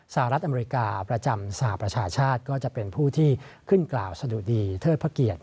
สหรัฐอเมริกาประจำสหประชาชาติก็จะเป็นผู้ที่ขึ้นกล่าวสะดุดีเทิดพระเกียรติ